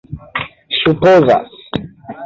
supozas